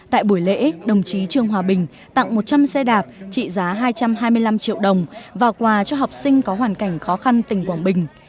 tại buổi lễ đồng chí trương hòa bình tặng một trăm linh xe đạp trị giá hai trăm hai mươi năm triệu đồng và quà cho học sinh có hoàn cảnh khó khăn tỉnh quảng bình